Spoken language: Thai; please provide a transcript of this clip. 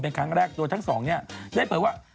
เป็นครั้งแรกโดยทั้งสองเนี่ยได้เผยว่า